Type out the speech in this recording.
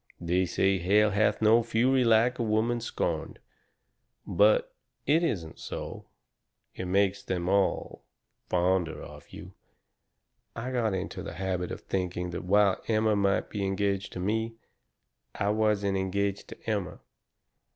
They say hell hath no fury like a woman scorned. But it isn't so it makes them all the fonder of you. I got into the habit of thinking that while Emma might be engaged to me, I wasn't engaged to Emma.